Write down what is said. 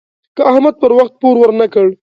که احمد پر وخت پور ورنه کړ.